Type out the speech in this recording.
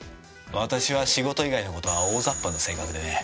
私は仕事以外の事は大ざっぱな性格でね。